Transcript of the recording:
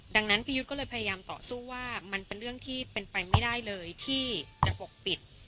ดังนั้นพี่ยุทธก็เลยพยายามต่อสู้ว่ามันเป็นเรื่องที่เป็นไปไม่ได้เลยที่จะปกปิด